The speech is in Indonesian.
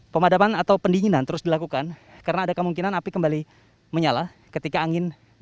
pemadaman atau pendinginan terus dilakukan karena ada kemungkinan api kembali menyala ketika angin